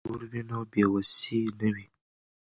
که ورور وي نو بې وسی نه وي.